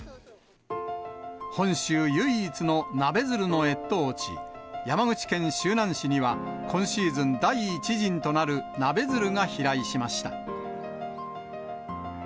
本州唯一のナベヅルの越冬地、山口県周南市には、今シーズン第１陣となる、ナベヅルが飛来しました。